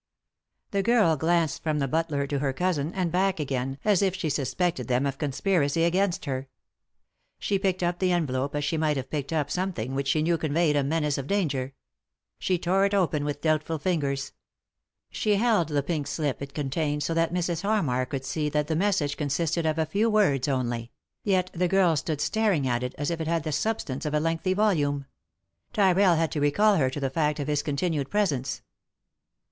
The girl glanced from the butler to her cousin, and back again, as if she suspected them of conspir ing against her. She picked up the envelope as she might have picked up something which she knew conveyed a menace of danger. She tore it open with doubtful fingers. She held the pink slip it contained so that Mrs. Harmar could see that the message con sisted of a few words only ; yet the girl stood staring at it as if it had the substance of a lengthy volume. Tyrrell had to recall her to the fact of his continued presence.